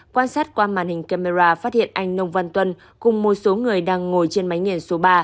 quan sát qua màn hình camera phát hiện anh nông văn tuân cùng một số người đang ngồi trên máy số ba